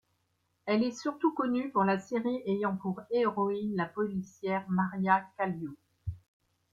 Elle est surtout connue pour la série ayant pour héroïne la policière Maria Kallio.